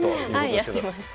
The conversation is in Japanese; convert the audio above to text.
やってました。